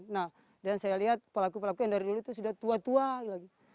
nah dan saya lihat pelaku pelaku yang dari dulu itu sudah tua tua lagi